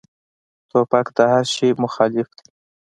توپک د هر شي مخالف دی.